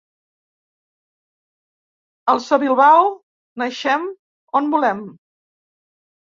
Els de Bilbao naixem on volem.